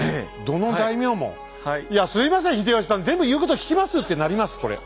どの大名も「いやすいません秀吉さん全部言うこと聞きます」ってなりますこれ。